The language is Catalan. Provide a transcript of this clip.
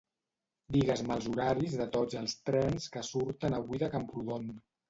Digues-me els horaris de tots els trens que surten avui de Camprodon.